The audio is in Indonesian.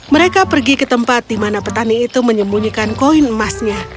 mereka pergi ke tempat di mana petani itu menyembunyikan koin emasnya